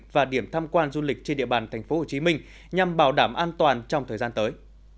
và điểm tham quan du lịch trên địa bàn tp hcm nhằm bảo đảm an toàn trong thời gian tới